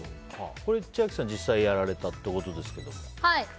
千秋さん、実際にやられたってことですけど。